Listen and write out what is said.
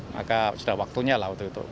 maka sudah waktunya lah waktu itu